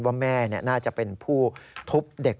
ว่าแม่น่าจะเป็นผู้ทุบเด็ก